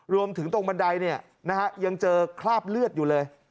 รวมถึงตรงบันไดยังเจอคราบเลือดอยู่เลย